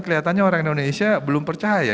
kelihatannya orang indonesia belum percaya